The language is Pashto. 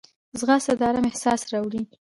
ځغاسته د آرام احساس راوړي